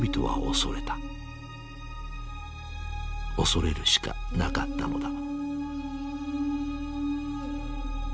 恐れるしかなかったのだ。